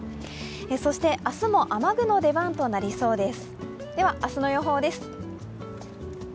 そして明日も雨具の出番となります。